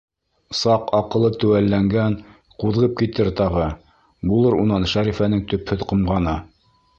Саҡ аҡылы теүәлләнгән, ҡуҙғып китер тағы, булыр унан Шәрифәнең төпһөҙ ҡомғаны.